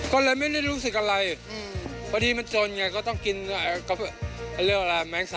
ก็เลยไม่ได้รู้สึกอะไร